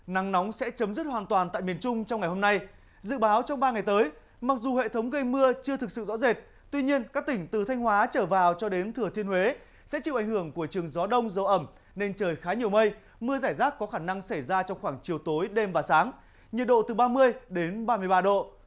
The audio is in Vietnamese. nắng nóng sẽ chấm dứt hoàn toàn tại miền trung trong ngày hôm nay dự báo trong ba ngày tới mặc dù hệ thống gây mưa chưa thực sự rõ rệt tuy nhiên các tỉnh từ thanh hóa trở vào cho đến thừa thiên huế sẽ chịu ảnh hưởng của trường gió đông dấu ẩm nên trời khá nhiều mây mưa rải rác có khả năng xảy ra trong khoảng chiều tối đêm và sáng nhiệt độ từ ba mươi đến ba mươi ba độ